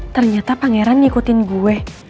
ternyata pangeran ngikutin gue